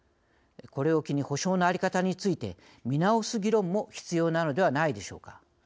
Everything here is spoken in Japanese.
これを機に補償の在り方について見直す議論も必要なのではないでしょうか。